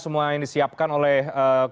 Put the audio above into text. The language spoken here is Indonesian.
yang disiapkan oleh